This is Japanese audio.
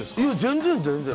全然全然。